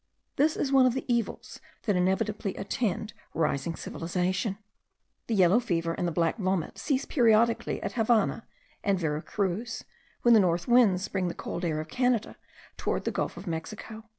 This is one of the evils that inevitably attend rising civilization. The yellow fever and the black vomit cease periodically at the Havannah and Vera Cruz, when the north winds bring the cold air of Canada towards the gulf of Mexico.